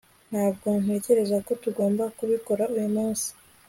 Ntabwo ntekereza ko tugomba kubikora uyu munsi